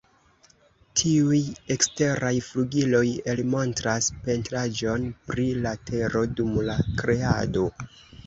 Tiuj eksteraj flugiloj, elmontras pentraĵon pri la tero dum la Kreado.